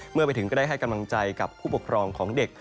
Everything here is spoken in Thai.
เมื่อไปถึงก็ได้ให้กำลังใจกับผู้ปกครองของเด็ก